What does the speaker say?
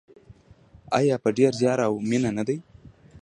آیا په ډیر زیار او مینه نه دی؟